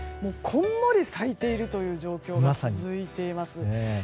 こんもり咲いているという状況が続いています。